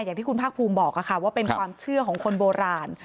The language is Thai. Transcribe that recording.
อย่างที่คุณภาคภูมิบอกว่าเป็นความเชื่อของคนโบราณ